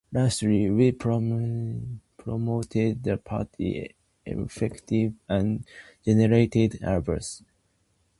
Lastly, we promoted the party effectively and generated a buzz around it.